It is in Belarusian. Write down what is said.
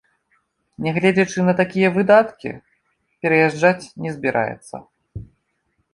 Нягледзячы на такія выдаткі, пераязджаць не збіраецца.